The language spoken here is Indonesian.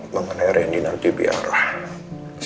mengenai randy nanti biarlah